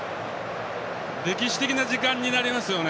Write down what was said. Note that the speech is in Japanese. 歴史的な時間になりますよね。